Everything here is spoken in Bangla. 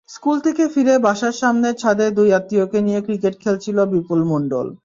স্কুল থেকে ফিরে বাসার সামনের ছাদে দুই আত্মীয়কে নিয়ে ক্রিকেট খেলছিল বিপুল মণ্ডল।